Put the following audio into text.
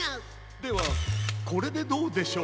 ではこれでどうでしょう？